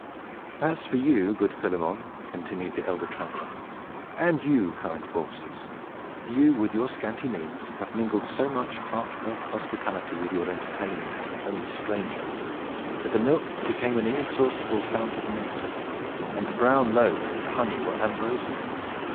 "As for you, good Philemon," continued the elder traveler, "and you, kind Baucis, you, with your scanty means, have mingled so much heartfelt hospitality with your entertainment of the homeless stranger, that the milk became an inexhaustible fount of nectar, and the brown loaf and the honey were ambrosia.